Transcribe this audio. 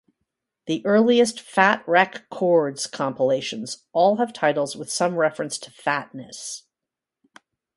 The earliest Fat Wreck Chords compilations all have titles with some reference to fatness.